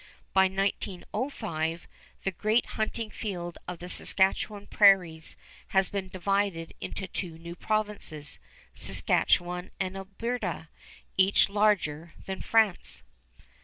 By 1905 the great hunting field of the Saskatchewan prairies has been divided into two new provinces, Saskatchewan and Alberta, each larger than France.